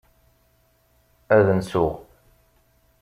Ad nsuɣ.